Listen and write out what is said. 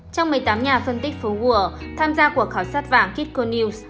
trong một mươi tám nhà phân tích phố gùa tham gia cuộc khảo sát vàng kitco news